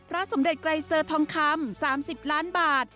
สมเด็จไกรเซอร์ทองคำ๓๐ล้านบาท